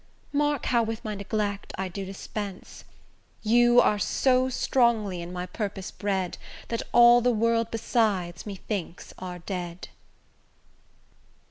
Mark how with my neglect I do dispense: You are so strongly in my purpose bred, That all the world besides methinks are dead.